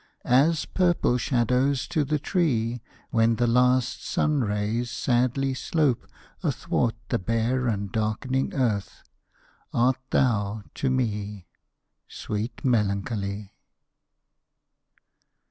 As purple shadows to the tree, When the last sun rays sadly slope Athwart the bare and darkening earth, Art thou to me, Sweet Melancholy!